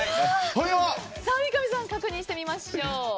三上さん、確認してみましょう。